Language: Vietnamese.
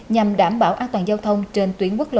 nhằm đảm bảo an toàn giao thông trên tuyến quốc lộ năm mươi một